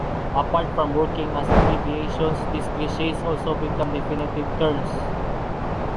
Apart from working as abbreviations, these cliches also become definitive terms.